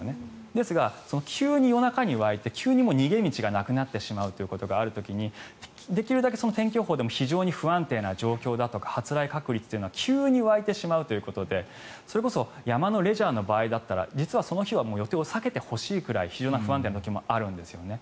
ですが、急に夜中に湧いて急に逃げ道がなくなってしまうということがある時にできるだけ天気予報でも非常に不安定な状況だとか発雷確率は急に湧いてしまうということでそれこそ山のレジャーの場合だったら実はその日は予定を避けてほしいぐらい非常に不安定な時もあるんですよね。